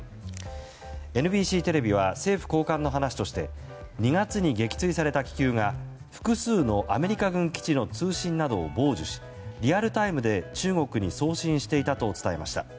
ＮＢＣテレビは政府高官の話として２月に撃墜された気球が複数のアメリカ軍基地の通信などを傍受しリアルタイムで中国に送信していたと伝えました。